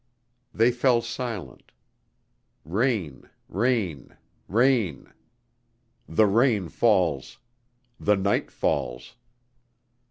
They fell silent.... Rain, rain, rain. The rain falls. The night falls.